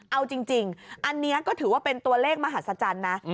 เอาจริงอันนี้ก็ถือว่าเป็นตัวเลขมหัศจรรย์นะ